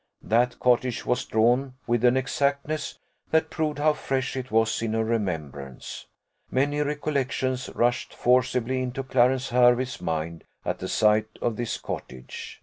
That cottage was drawn with an exactness that proved how fresh it was in her remembrance. Many recollections rushed forcibly into Clarence Hervey's mind at the sight of this cottage.